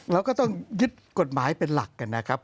เราก็ต้องยึดกฎหมายเป็นหลักกันนะครับ